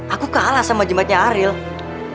aku kalah sama jimatnya aryli